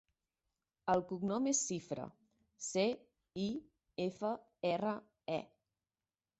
El cognom és Cifre: ce, i, efa, erra, e.